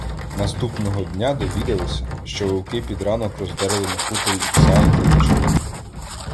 Наступного дня довідалися, що вовки під ранок роздерли на хуторі пса і теличку.